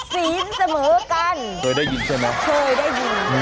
ศีลเสมอกันเคยได้ยินใช่ไหมเคยได้ยิน